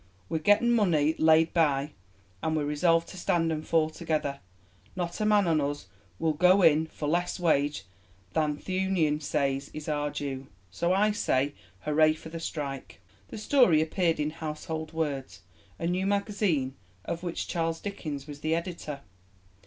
We'n getten money laid by; and we're resolved to stand and fall together; not a man on us will go in for less wage than th' Union says is our due. So I say, 'Hooray for the strike.'" The story appeared in Household Words, a new magazine of which Charles Dickens was the editor.